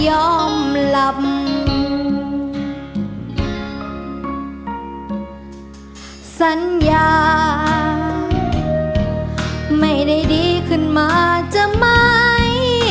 หลับสัญญาไม่ได้ดีขึ้นมาจะไหม